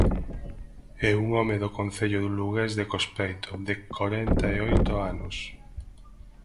É un home do Concello lugués de Cospeito, de corenta e oito anos.